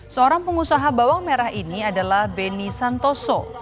seorang pengusaha bawang merah ini adalah beni santoso